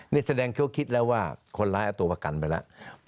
นี่แสดงเขาคิดแล้วว่าคนร้ายเอาตัวประกันไปแล้ว